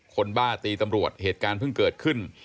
บ้าตีตำรวจเหตุการณ์เพิ่งเกิดขึ้น